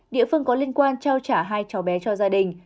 địa phương có liên quan trao trả hai cháu bé cho gia đình